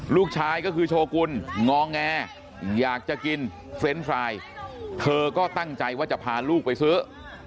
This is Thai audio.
ลูกชายก็คือโชกุลงอแงอยากจะกินเฟรนด์ไฟล์เธอก็ตั้งใจว่าจะพาลูกไปซื้อ